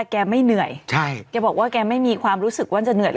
แกไม่เหนื่อยใช่แกบอกว่าแกไม่มีความรู้สึกว่าจะเหนื่อย